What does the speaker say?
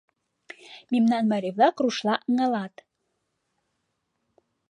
Мемнан марий-влак рушла ыҥлат.